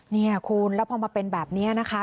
นี่คุณแล้วพอมาเป็นแบบนี้นะคะ